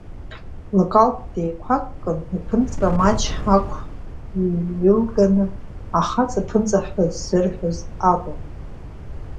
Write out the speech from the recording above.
Лакҭала деиқәа-гәкын, иԥынҵа маҷк ақә ҩылганы, ахаҵа ԥынҵа ҳәа ззырҳәоз акәын.